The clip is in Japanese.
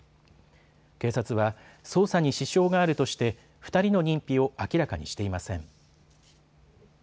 警察は捜査に支障があるとして２人の認否を明らかにしていません。